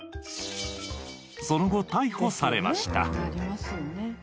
その後逮捕されました。